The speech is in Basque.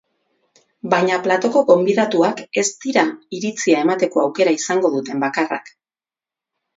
Baina platoko gonbidatuak ez dira iritzia emateko aukera izango duten bakarrak.